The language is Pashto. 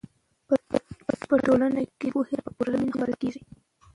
په ټولنه کې د پوهې رڼا په پوره مینه خپرول کېږي.